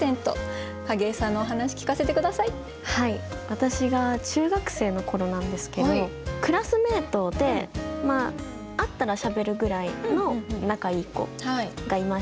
私が中学生のころなんですけどクラスメイトで会ったらしゃべるぐらいの仲いい子がいまして。